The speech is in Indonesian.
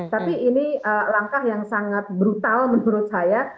tapi ini langkah yang sangat brutal menurut saya